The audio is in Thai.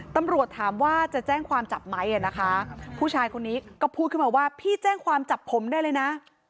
ตำรวจถามว่าจะแจ้งความจับไหมนะคะผู้ชายคนนี้ก็พูดขึ้นมาว่าพี่แจ้งความจับผมได้เลยนะ